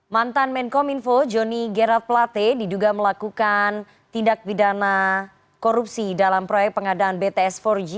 mantan menkom info joni gerald plate diduga melakukan tindak pidana korupsi dalam proyek pengadaan bts empat g